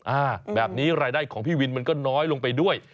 อ่าแบบนี้รายได้ของพี่วินมันก็น้อยลงไปด้วย